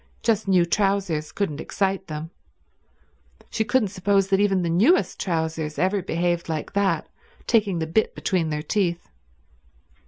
Just new trousers couldn't excite them. She couldn't suppose that even the newest trousers ever behaved like that, taking the bit between their teeth.